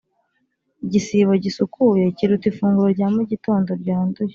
igisibo gisukuye kiruta ifunguro rya mugitondo ryanduye.